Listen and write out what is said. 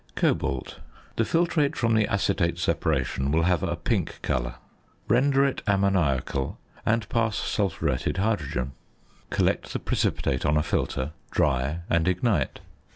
~Cobalt.~ The filtrate from the acetate separation will have a pink colour. Render it ammoniacal and pass sulphuretted hydrogen. Collect the precipitate on a filter, dry, and ignite.